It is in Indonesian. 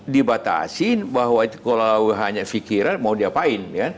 dibatasi bahwa kalau hanya pikiran mau diapain